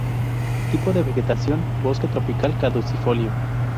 Tipo de vegetación, bosque tropical caducifolio.